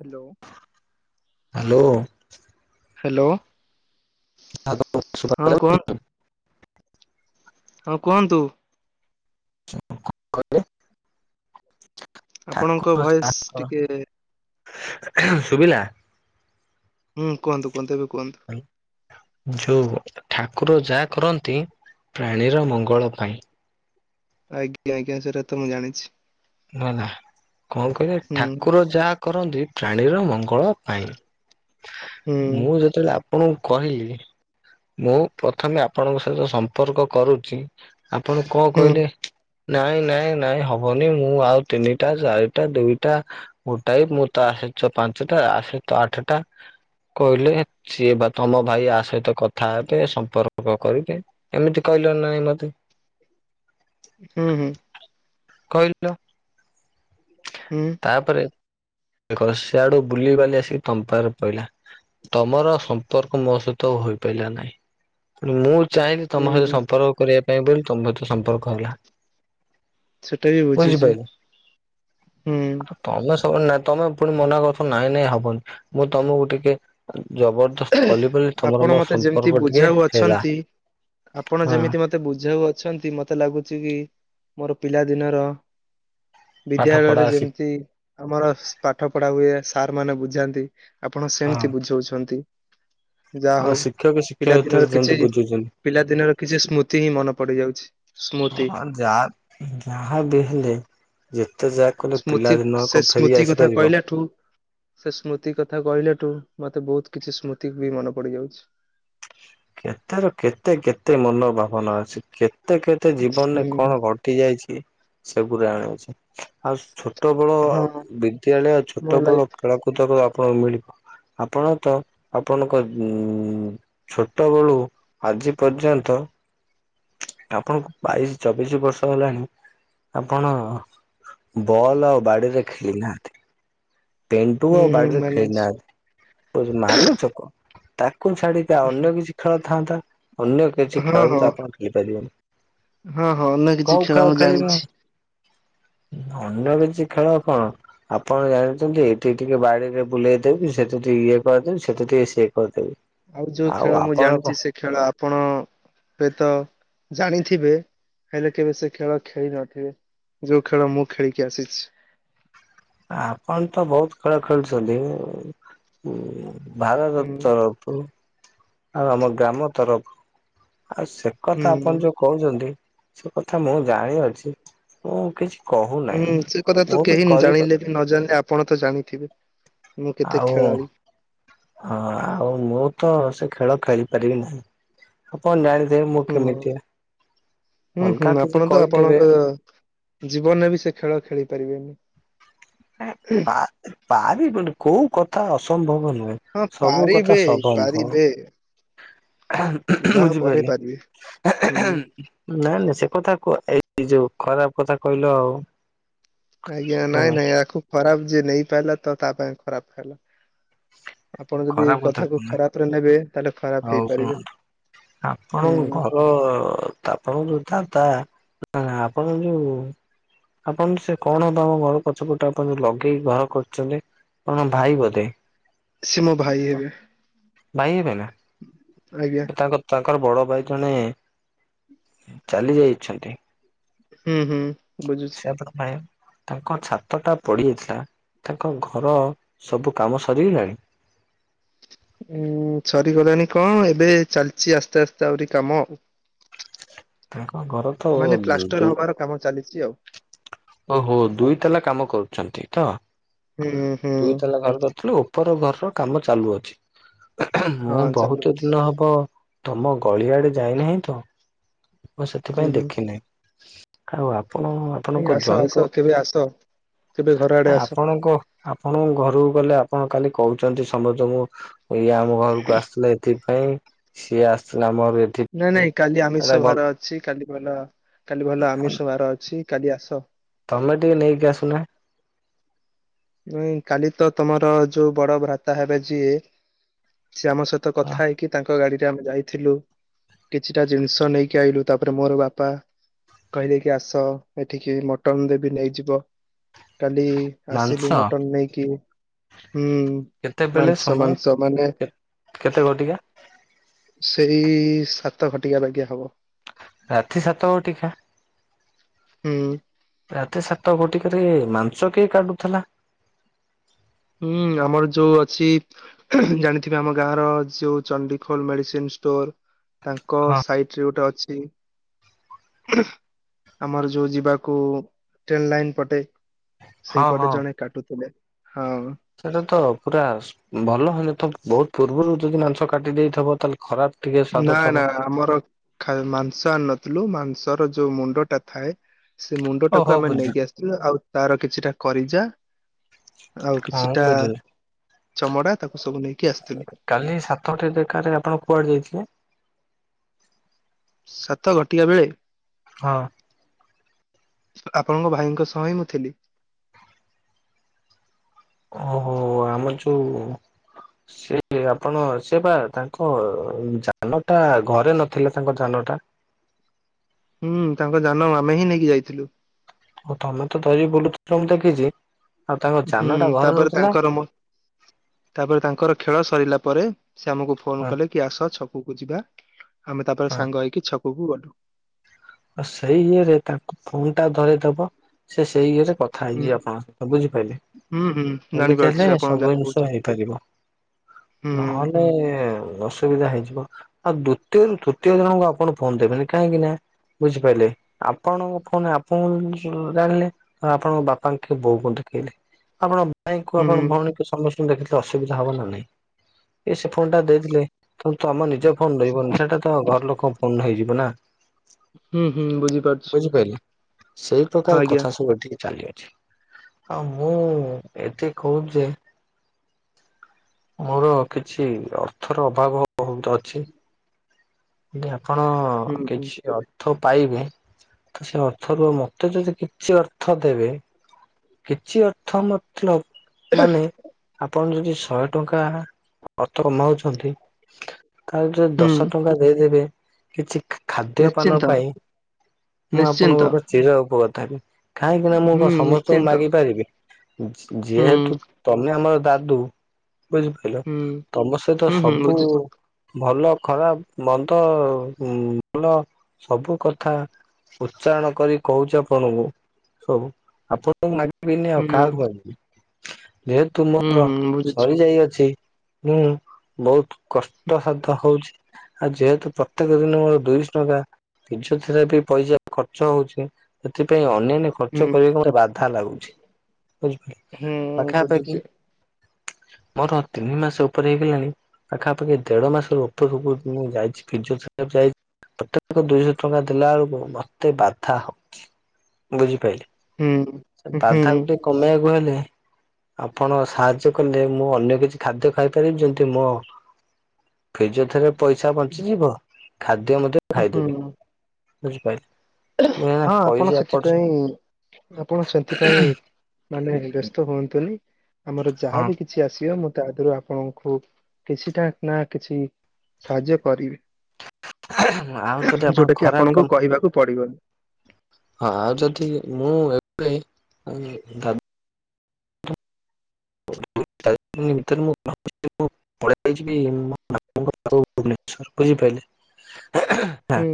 Hello. Hello hello ହଁ କୁହନ୍ତୁ [unintelligible] ହଁ କୁହନ୍ତୁ [unintelligible] ଆପଣଙ୍କ ଭଏସ ଟିକେ ସୁବିଲା ହୁଁ କୁହନ୍ତୁ କୁହନ୍ତୁ ଏବେ କୁହନ୍ତୁ ଯୋଉ ଠାକୁର ଜା କରନ୍ତି ପ୍ରାଣୀର ମଙ୍ଗଳ ପାଇଁ। ଆଜ୍ଞା ଆଜ୍ଞା ସେଟା ତ ମୁଁ ଜାଣିଛି ନଲା କଣ କହିଲେ ହୁଁ ଠାକୁର ଯାହା କରନ୍ତି ପ୍ରାଣୀର ମଙ୍ଗ ଗଳ ପାଇଁ ହୁଁ ମୁଁ ଯେତେବେଳେ ଆ ଆପଣଙ୍କୁ କହିଲି ମୁଁ ପ୍ରଥମେ ଆପଣଙ୍କ ସହିତ ସମ୍ପର୍କ କରୁଚି ଆପଣ କଣ ହୁଁ କହିଲେ ନାଇଁ ନାଇଁ ନାଇଁ ହବନି ମୁଁ ଆଉ ତିନିଟା ଚାରିଟା ଦୁଇଟା ଗୋଟାଏ ମୁଁ ତ ଆସିଛ ପାଞ୍ଚଟା ଆସ ତ ଆଠ ଟା କହିଲେ ସିଏ ବା ତମ ଭାଇ ଆ ସହିତ କଥା ହେବେ ସମ୍ପର୍କ କରିବେ ଏମିତି କହ ନାଇ ମତେ ହୁଁ ହୁଁ କହିଲ ହୁଁ ତାପରେ ଗସିଆଡୁ ବୁଲି ବାଲି ଆସିକି ତମ୍ପାରେ ପଇଲା। ତମର ସମ୍ପର୍କ ମୋ ସହିତ ହୋଇପାରିଲା ନାହିଁ ମୁଁ ଚାହିଁଲି ତମ ସହିତ ହୁଁ ସମ୍ପର୍କ କରିବା ପାଇଁ ବୋଲି ତମ ସହିତ ସମ୍ପର୍କ ହେଲା। ସେଟା ବି ବୁଝୁଛି ବୁଝିପାରିଲ ହୁଁ ଆଉ ତମେ ସ ନାଇଁ ତମେ ପୁଣି ମନା କରୁଥିବ ନାଇଁ ନାଇଁ ହବନି ମୁଁ ତମକୁ ଟିକେ ଜବରଦସ୍ତ କଲି ବୋଲି ଆପଣ ତମର ମୋର ମତେ ଯେମିତି ସମ୍ପର୍କ ଟିକେ ବୁଝାଉ ହେଲା। ଅଛନ୍ତି ଆପଣ ହଁ ଯେମିତି ମତେ ବୁଝାଉ ଅଛନ୍ତି ମତେ ଲାଗୁଛି କି ମୋର ପିଲା ଦିନର ପାଠ ପଢା ବିଦ୍ୟାଳୟରେ ଶି ଯେମିତି ଆମର ପାଠ ପଢା ହୁଏ ସାର୍ ମାନେ ବୁଝାନ୍ତି ଆପଣ ହଁ ସେମିତି ବୁଝଉଛନ୍ତି। ଯାହା ହଉ ଆଉ ଶିକ୍ଷକ ପିଲାଦିନର ଶିକ୍ଷତିରେ କିଛି ଯେମିତି ପିଲାଦିନର କିଛି ବୁଝୁଛନ୍ତି ସ୍ମୃତି ହିଁ ମନେ ପଡିଯାଉଛି ସ୍ମୃତି। ହ ଯାହା ଯାହାବି ହେଲେ ଯେତେ ଯା ସ୍ମୃତି ସେ ସ୍ମୃତି କଥା କହିଲା ଠୁ ସେ ସ୍ମୃତି କଥା କହିଲା ଠୁ ମତେ ବହୁତ କିଛି ସ୍ମୃତି ବି ମନେ ପଡ଼ିଯାଇଛି। କେତେ ର କେତେ କେତେ ମନ ଭାବନା ଅଛି କେ କେତେ କେତେ ଜୀବନରେ କଣ ହୁଁ ଘଟି ଯାଇଛି ସେଗୁରା ଆଣଉଛି ଆଉ ଛୋ ଛୋଟ ବେଳ ହଁ ବିଦ୍ୟାଳୟ ଛୋଟ ମୋ ବେଳ ଲାଇଫ ଖେଳକୁଦର ଆପ କଁ ମିଳିବ ଆପଣ ତ ଆପଣଙ୍କ ଉଁ ଉଁ ଛୋ ଛୋଟ ବେଳୁ ଆଜି ପର୍ଯ୍ୟନ୍ତ ଆପଣଙ୍କୁ ବାଇଶି ଚବିଶି ବର୍ଷ ହେଲାଣି ଆପଣ ବଲ୍ ଆଉ ବାଡିରେ ଖେଳି ନାହାଁନ୍ତି। ପେଣ୍ଟୁ ହୁଁ ଆଉ ହୁଁ ବାଡ଼ିରେ ମାନୁଛି ଖେଳିନାନ୍ତି କରି ମାନୁଛ ତ ତା ତାକୁ ଛାଡିକି ଅନ୍ୟ କିଛି ଖେଳ ଥାନ୍ତା ଅନ୍ୟ କିଛି ହଁ ଖେଳ ବି ହଁ। ତ ଆପଣ ଖେଳିପାରିବେନି। ହଁ ହଁ ଅନ୍ୟ କିଛି ଖେଳ ମୁଁ ଖେଳିବେ ଜାଣିଛି। ଅନ୍ୟ କିଛି ଖେଳ କଣ ଆପଣ ଜାଣି ଚନ୍ତି ଏଠି ଟିକେ ବାଡିରେ ବୁଲେଇ ଦେବି ସେଠି ଟିକେ ଇଏ କରିଦେଵି ସେଠି ଟିକେ ସିଏ କରିଦେବି। ଆଉ ଯୋଉ ଖେଳ ମୁଁ ଆପଣ କଣ ଜାଣିଛି ସେ ଖେଳ ଆପଣ ହୁଏ ତ ଜାଣି ଥିବେ ହେଲେ କେବେ ସେ ଖେଳ ଖେଳି ନଥିବେ। ଯୋଉ ଖେଳ ମୁଁ ଖେଳିକି ଆସିଛି। ଆପଣ ତ ବହୁତ ଖେଳ ଖେଳୁଛନ୍ତି ହୁ ହୁ ଭାରତ ହୁଁ ତରଫରୁ ଆଉ ଆମ ଗ୍ରାମ ତରଫୁ ଆଉ ସେ କଥା ହୁଁ। ଆପଣ ଯୋଉ କହୁଛନ୍ତି ସେ କଥା ମୁଁ ଜାଣିଅଛି ମୁଁ କିଛି କହୁନାହିଁ ହ୍ନୁ ସେ କଥା ତ ମୁଁ ବି କେହି କରି ଜାଣିଲେ ବି ନ ଜାଣିଲେ ଆପଣ ତ ଜାଣିଥିବେ। ମୁଁ କେତେ ଆଉ ଖେଳାଳି ହଁ ଆଉ ମୁଁ ତ ସେ ଖେ ଖେଳ ଖେଳିପାରିବି ନାହିଁ ଆପଣ ଜାଣିଥିବେ ମୁଁ କେମିତୀଆ ହୁ ହୁ ଆପଣ ତ ଆପଣଙ୍କ ଜୀବନରେ ବି ସେ ଖେଳ ଖେଳି ପାରିବେନି ଆ ପା ପାରିବନି କୋଉ କଥା ଅସମ୍ଭବ ନୁହେଁ ସବୁ କଥା ସବମ୍ଭ ଏ ବୁଝିପାଇଲେ ହୁଁ ନାଆ ନା ସେ କଥା କ ଏଇ ଯୋଉ ଖରାପ କଥା କହିଲ ଆଉ ଆଜ୍ଞା ନାଇଁ ହେଲା ନାଇଁ ଆକୁ ଖରାପ ଯିଏ ନେଇପାଲା ତ ତା ପାଇଁ ଖରାପ ହେଲା। ଆପଣ ଯଦି ଖରାପ କଥା କଥାକୁ କୁହନା। ଖରାପ ରେ ନେବେ ତାହେଲେ ଖରାପ ହେଇପାରିବେ। ଆପଣଙ୍କୁ ହୁଁ। ଘର ଆପଣଙ୍କୁ ଯୋଉ ଦାଦା ଆ ଆପଣ ଜଉ ଆପଣ ସେ କଣ ତମ ଘର ପଛପଟେ ଆପଣ ଯଉ ଲଗେଇକି ଘର କରଛନ୍ତି? କଣ ଭାଇ ବୋଧେ? ସେ ମୋ ଭାଇ ହେବେ। ଭାଇ ହେବେ ନା ଆଜ୍ଞା ତ ତାଙ୍କ ତାଙ୍କ ତାଙ୍କର ବଡ ଭାଇ ଜଣେ ଚାଲି ଯାଇଛନ୍ତି। ହ୍ନୁ ହ୍ନୁ ବୁଝୁଛି। ସେ ପାଇଁ ତାଙ୍କ ଛାତ ଟା ପଡିଯାଇଥିଲା ତାଙ୍କ ଘର ସବୁ କାମ ସରିଗଲାଣି? ଅ ଉଁ ସରିଗଲାଣି କଣ ଏବେ ଚାଲିଛି ଆସ୍ତେ ଆସ୍ତେ ଆହୁରି କାମ ଆଉ ତାଙ୍କ ଘର ତ ମାନେ ଦୁ ପ୍ଲାଷ୍ଟର ହବାର କାମ ଚାଲିଛି ଆଉ। ଓହୋ ଦୁଇ ତାଲା କାମ କରୁଛନ୍ତି ତ ହୁଁ ହୁଁ ଦୁଇ ତାଲା ଘର କରିଥିଲୁ ଉପର ଘର ର କାମ ଚାଲୁଅଛି ମୁଁ ହଁ ଚାଲୁ ବହୁତ ଅଛି। ଦିନ ହବ ତମ ଗଳିଆଡେ ଯାଇନାହିଁ ତ ମୁଁ ହୁଁ ସେଥିପାଇଁ ହୁଁ। ଦେଖିିନହିଁ ଆଉ ଆପ ଆପଣ ଭାଇ ଆପଣଙ୍କ ଆସ ଜୁଆଇଁ ଆସ ଙ୍କ କେବେ ଆସ କେବେ ଘର ଆଡେ ଆ ଆସ ଆପଣଙ୍କ ଆପଣଙ୍କ ଘରୁ କଲେ ଆପଣ କାଲି କହୁଛନ୍ତି ସମସ୍ତେ ଙ୍କୁ ଏଇ ଆମ ଘରକୁ ଆସିଥିଲା ଏଠି ପାଇଁ ସିଏ ଆସିଥିଲା ଆମ ଘରକୁ ନାଇଁ ଏଥିପାଇଁ ନାଇଁ କାଲି ଏଟା ଆମିଷ ଭଲ ବାହାର ଅଛି କାଲି ଭଲ କାଲି ଭଲ ଆମିଷ ବାହାର ଅଛି। କାଲି ଆସ। ତମେ ଟିକେ ନେଇକି ଆସୁନା? ନାଇଁ କାଲି ତ ତମର ଯୋଉ ବଡ ଭ୍ରାତା ହେବେ ଯିଏ ସିଏ ଆମ ସହିତ କଥା ହେଇକି ତାଙ୍କ ଗାଡି ଆମେ ଯାଇଥିଲୁ କିଛିଟା ଜିନିଷ ନେଇକି ଆଇଲୁ ତାପରେ ମୋର ବାପା କହିଲେ କି ଆସ ଏଠିକି ମଟନ ଦେବି ନେଇଯିବ କାଲି ମାଂସ ଆସିଲୁ ମଟନ ନେଇକି। ହୁଁ କେତେବେଳେ ମାଂସ ସମୟ ମାଂସ ମାନେ କେତେ ଘଟିକା ସେଇ ସାତ ଘଟିକା ଲାଗି ହବ। ରାତି ସାତ ଘଟିକା? ହୁଁ। ରାତି ସାତ ଘଟିକାରେ ମାଂସ କିଏ କାଟୁଥିଲା? ହୁଁ ଆମର ଯୋଉ ଅଛି ଜାଣିଥିବେ ଆମ ଗାଁ ର ଯୋଉ ଚଣ୍ଡିଖୋଲ ମେଡିସିନ ଷ୍ଟୋର ତାଙ୍କ ହଁ ସାଇଟ୍ ରେ ଗୋଟେ ଅଛି ଆମର ଯୋଉ ଯିବାକୁ ଟ୍ରେନ ଲାଇନ ପଟେ। ସେଇପଟେ ଜଣେ କାଟୁଥିଲେ ହଁ। ସେଇଟା ତ ପୁରା ଭଲ ହୋଉନଥିବ ତ ବହୁତ ପୂର୍ବରୁ ଯଦି ମାଂସ କାଟି ଦେଇଥିବ ତାହେଲେ ଖରାପ ଟିକେ ସ୍ଵାଦ ନା ଥବ ନା ଆମର ଖାଇ ମାଂସ ଆଣି ନଥିଲୁ ମାଂସର ଯୋଉ ମୁଣ୍ଡ ଟା ଥାଏ ସେ ମୁଣ୍ଡ ଓହୋ ଟାକୁ ଆମେ ବୁଝିଲି ନେଇକି ଆସିଥିଲୁ ଆଉ ତାର କିଛିଟା କରିଯା ଆଉ ହଁ କିଛିଟା ବୁଝିଲି ଚମଡ଼ା ତାକୁ ସବୁ ନେଇକି ଆସିଥିଲୁ। କାଲି ସାତଟି ବେକାରେ ଆପଣ କୁଆଡେ ଯାଇଥିଲେ? ସାତ ଘଟିବା ବେଳେ। ହଁ। ଆପଣଙ୍କ ଭାଇଙ୍କ ସହ ହିଁ ମୁଁ ଥିଲି। ଓହୋ ଆମର ଯୋଉ ସେ ଆପଣ ସେ ବା ତାଙ୍କ ଯାନ ଟା ଘରେ ନଥିଲେ ତାଙ୍କ ଯାନ ଟା। ହୁଁ ତାଙ୍କ ଯାନ ଆମେ ହିଁ ନେଇକି ଯାଇଥିଲୁ। ଓ ତମେ ତ ଧରିକି ବୁଲୁଥିଲ ମୁଁ ଦେଖିଛି। ଆଉ ତାଙ୍କ ହୁଁ ଯାନ ଟା ଘରେ ତାପରେ ନଥିଲା ତାଙ୍କର ତାପରେ ତାଙ୍କର ଖେଳ ସରିଲା ପରେ ସେ ଆମକୁ ଫୋନ ହଁ କଲେ କି ଆସ ଛକକୁ ଯିବା ଆମେ ତାପରେ ସାଙ୍ଗ ହେଇକି ଛକ ହବୁ ବାଠୁ ଆ ସେଇ ଇଏରେ ତାକୁ ଫୋନ୍ ଟା ଧରିଦବ ସେ ସେଇ ଇଏରେ କଥା ହେଇ ହୁଁ ଯିବେ ଆପଣଙ୍କ ସହିତ ବୁଝିପାରିଲେ? ହୁଁ ହୁଁ ଏମିତି ଜାଣିପାରୁଛି ହେଲେ ଆପଣ ସବୁ ଯାହା ଜିନିଷ କହୁଛ ହେଇପାରିବ। ହୁଁ ନହେଲେ ଅସୁବିଧା ହେଇଯିବ ଆଉ ଦ୍ଵିତୀୟରୁ ତୃ ତୀୟ ଜଣଙ୍କୁ ଆପଣ ଫୋନ ଦେବେନି କାହିଁକି ନାଁ ବୁଝିପାରିଲେ ଆପଣଙ୍କ ଫୋନ ଆପଣଙ୍କୁ ଜାଣିଲେ ଆପଣଙ୍କ ବାପା କି ବୋଉ କୁ ଦେଖେଇଲେ। ଆପଣ କାଇଁ କ ହୁଁ ଆପଣ ଭଉଣୀକୁ ସମସ୍ତଙ୍କୁ ଦେଖିଥିଲେ ଅସୁବିଧା ହବ ନା ନାଇଁ ଏ ସେ ଫୋନ୍ ଟା ଦେଇଥିଲେ ତ ତମ ଆମର ନିଜ ଫୋନ ରହିବନି ସେଟା ତ ଘର ଲୋକ ଫୋନ ହେଇଯିବ ନା। ହୁଁ ହୁଁ ବୁଝିପାରୁଛୁ। ବୁଝିପାରିଲେ ସେଇ ପ୍ରକାର କଥା ସବୁ ଏ ଟିକେ ଚାଲିି ଆଉ ମୁଁ ଏତେ କହୁଛି ଯେ ମୋର କିଛି ଅର୍ଥର ଅଭାବ ବହୁତ ଅଛି। ଆପଣ ହୁଁ ହୁଁ। କିଛି ଓ ପାଇବେ ତ ସେ ଅର୍ଥରୁ ମତେ ଯଦି କିଛି ଅର୍ଥ ଦେବେ କିଛି ଅର୍ଥ ମତଲବ ମାନେ ଆପଣ ଯଦି ଶହେ ଟଙ୍କା ଅର୍ଥ କମାଉଛନ୍ତି ତାହେଲେ ଯଦି ହୁଁ ଦଶ ଟଙ୍କା ଦେଇଦେବେ କିଛି ଖା ଖାଦ୍ୟ ପାନ ନିଶ୍ଚିନ୍ତ ପାଇଁ ମୁଁ ଆପଣଙ୍କ ନିଶ୍ଚିନ୍ତ ଉପରେ ଚିର ଉପକ୍ରୁତ ହେବି। କାହିଁକିନା ମୁଁ ହୁଁ କଣ ସମସ୍ତଙ୍କୁ ନିଶ୍ଚିନ୍ତ ମାଗି ପାରିବି। ଯେ ହୁଁ ଯେହେତୁ ହୁଁ। ତମେ ଆମର ଦାଦୁ ବୁଝିପାଇଲ ତମ ସହିତ ହୁଁ ହୁଁ ସବୁ ବୁଝୁଛି ଉ ଭଲ ଖରାପ୍ ମନ୍ଦ ଭଲ ସବୁ କଥା ଉଚ୍ଚାରଣ କରି କହୁଛି ଆପଣଙ୍କୁ। ହଉ ଆପଣଙ୍କୁ ମାଗିବିନି ହୁଁ ଆଉ କାହାକୁ ହୁଁ ମାଗିବି। ଯେହେତୁ ମୋର ହୁଁ ବୁଝୁଛି ସରିଯାଇଅଛି ମୁଁ ବହୁତ୍ କଷ୍ଟସାଧ ହଉଛି ଆଉ ଯେହେତୁ ପ୍ରତ୍ୟେକ ଦିନ ମୋର ଦୁଇଶ୍ ଟଙ୍କା ପିଜୋଥେରାପି ପଇସା ଖର୍ଚ୍ଚ ହଉଛି, ସେଥିପାଇଁ ଅନେ କ୍ ହୁଁ ଖର୍ଚ୍ଚ କରିବାକୁ ମତେ ବାଧା ଲାଗୁଛି, ହୁଁ ପାଖାପାଖି ବୁଝୁଛି। [inaudible] ମୋର ତିନି ମାସ ଉପରେ ହେଇଗଲାଣି, ପାଖାପାଖି ଦେଢ ମାସ ଉପରକୁ ମୁଁ ଯାଇଛି ଫିଜୀଓଥେରାପି ଯାଇ ପ୍ରତ୍ୟେକ ଦୁଇଶହ ଟଙ୍କା ଦେଲା ବେଳକୁ ମତେ ବାଧା ହଉଚି ବୁଝିପାଇଲେ। ହୁଁ ହୁଁ ବାଧା ଗୋଟେ କମେଇବାକୁ ହେଲେ। ଆପଣ ସାହାଯ୍ୟ କଲେ ମୁଁ ଅନ୍ୟ କିଛି ଖାଦ୍ୟ ଖାଇପାରିବି ଯେମତି ମୋ ଫିଜିଓଥେରାପି ଥିଲେ ପଇସା ବଞ୍ଚିଯିବ ଖାଦ୍ୟ ଉଁ ହୁଁ ହୁଁ। ବୁଝିପାଇଲି ହଁ ଆପଣ ସେଥିପାଇଁ ଆପଣ ସେଥିପାଇଁ ମାନେ ବ୍ୟସ୍ତ ହୁଅନ୍ତୁନି। ଆମର ହଁ ଯାହାବି କିଛି ଆସିବ ମୁଁ ତା ଦେହରୁ ଆପଣଙ୍କୁ କିଛିଟା ନା କିଛି ସାହାଯ୍ୟ କରିବି। ଆଉ ଯଦି ଆପଣ ଯୋଉଟା କିି ଖରାପ ଆପଣଙ୍କୁ କାମ କହିବାକୁ ପଡିବନି। ହଁ ଆଉ ଯଦି ମୁଁ ଏବେ ଉଁ ଭାବ୍ [unintelligible] [unintelligible] ହୁଁ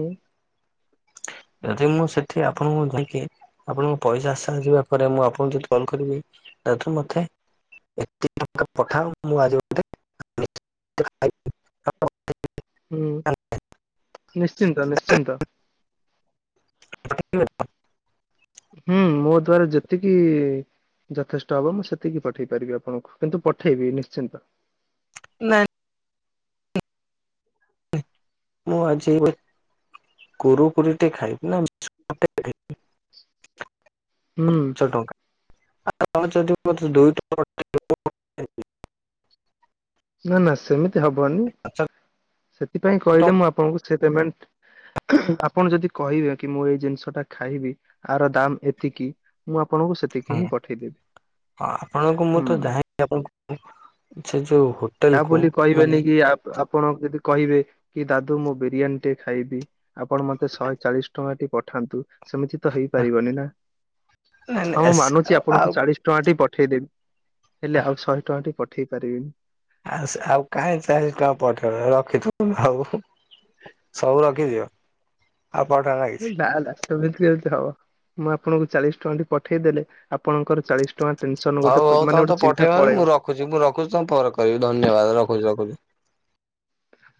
ଯଦି ମୁଁ ସେଠି ଆପଣଙ୍କୁ ଯାଇଁକି ଆପଣଙ୍କ ପଇସା ଆସ ଯିବା ପରେ ମୁଁ ଆପଣଙ୍କୁ ଯଦି କଲ୍ କରିବି। ତାଠୁ ମତେ ଏତେ ଟଙ୍କା ପଠାଅ ମୁଁ ଆଜି ଗୋଟେ, [unintelligible] ହୁଁ। ନିଶ୍ଚିନ୍ତ ନିଶ୍ଚିନ୍ତ। [unintelligible] ହୁଁ ମୋ ଦ୍ଵାରା ଯେତିକି ଇ ଯଥେଷ୍ଟ ହବ ମୁଁ ସେତିକି ପଠେଇ ପାରିବି ଆପଣଙ୍କୁ କିନ୍ତୁ ପଠେଇବି ନିଶ୍ଚିନ୍ତ। ନାଁ ମୁଁ ଆଜି କୁରୁକୁରିଟେ ଖାଇବି ଆଉ [unintelligible] [unintelligible] ହୁଁ। [unintelligible] ନା ନା ସେମିତି ହବନି। ସେଥିପାଇଁ ଟଙ୍କା କହିଲେ ମୁଁ ଆପଣଙ୍କୁ ସେ ପେମେଣ୍ଟ ଆପଣ ଯଦି କହିବେ କି ମୁଁ ଏଇ ଜିନିଷ ଟା ଖାଇବି ଆର ଦାମ୍ ଏତିକି ମୁଁ ଆ ହୁଁ ହଁ ଆପଣଙ୍କୁ ମୁଁ ହୁଁ। ତ ଯା ଆପଣଙ୍କୁ ସେ ଯୋଉ ତା ହୋଟେଲ କୁ ବୋଲି କହିବେନି ମାନେ ନାଇଁ କି ଆ ଆପଣ ଯଦି କହିବେ କି ଦାଦୁ ମୁଁ ବିରିୟାନୀ ଟେ ଖାଇବି ଆପଣ ମତେ ଶହେ ଚାଳିଶ ଟଙ୍କା ଟି ପଠାନ୍ତୁ। ସେମିତି ତ ହେଇପାରିବନି ନା ନାଇଁ ହଁ ମୁଁ ଆସ ମାନୁଛି ଆପଣଙ୍କୁ ଆଉ ଚାଳିଶି ଟଙ୍କା ଟି ପଠେଇଦେବି। ହେଲେ ଆଉ ଶହେ ଟଙ୍କାଟି ପଠେଇ ପାରିବିନି। ଆଉସ୍ ଆଉ କାହିଁ ଚାଳିଶ ଟଙ୍କା ପଠେଇବ ରଖିଥିବ ଆଉ ସବୁ ରଖିଦିଅ। ଆଉ ବଢାନା କିଛି। ଏମିତି କେମିତି ହବ। ମୁଁ ଆପଣଙ୍କୁ ଚାଳିଶ ଟଙ୍କା ଟି ପଠେଇଦେଲେ। ଆପଣଙ୍କର ଚାଳିଶ ଟଙ୍କା ଟେନସନ ଗୋଟେ ହଉ ହଉ ମାନେ ତମେ ତ ଗୋଟେ ଚିନ୍ତା ପଠେଇବନି। ପଳେଇବ ମୁଁ ରଖୁଛି ମୁଁ ରଖୁଛି ତମକୁ ପରେ କରିବି। ଧନ୍ୟବାଦ ରଖୁଛି ରଖୁଛିୁ। [inaudible]